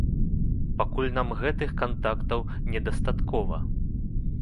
Пакуль нам гэтых кантактаў не дастаткова.